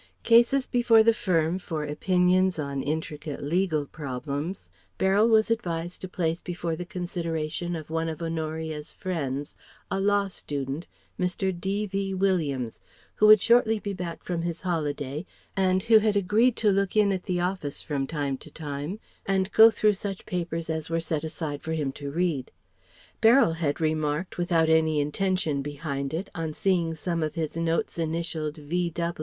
Cases before the firm for opinions on intricate legal problems Beryl was advised to place before the consideration of one of Honoria's friends, a law student, Mr. D.V. Williams, who would shortly be back from his holiday and who had agreed to look in at the office from time to time and go through such papers as were set aside for him to read. Beryl had remarked without any intention behind it on seeing some of his notes initialled V.